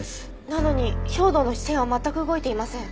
なのに兵働の視線は全く動いていません。